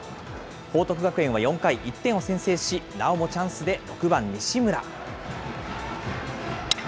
報徳学園は４回、１点を先制し、なおもチャンスで６番西村。